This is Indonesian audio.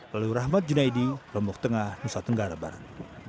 lalu rahmat junaidi lombok tengah nusa tenggara barat